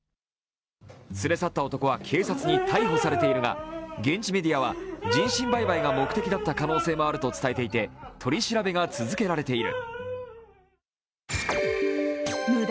連れ去った男は警察に逮捕されているが、現地メディアは、人身売買が目的だった可能性もあると伝えていて取り調べが続けられている。